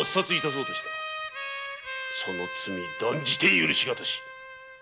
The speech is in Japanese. その罪断じて許し難し。